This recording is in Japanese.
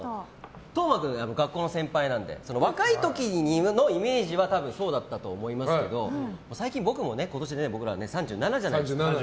斗真君が学校の先輩なので若い時のイメージはそうだったと思いますけど僕も今年で３７じゃないですか。